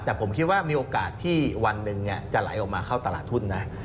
แต่ผมคิดว่ามีโอกาสที่วันหนึ่งจะไหลออกมาเข้าตลาดทุนนะ